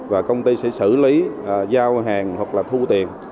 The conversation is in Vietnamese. và công ty sẽ xử lý giao hàng hoặc là thu tiền